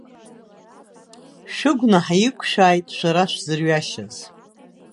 Шәыгәнаҳа иқәшәааит шәара шәзырҩашьаз!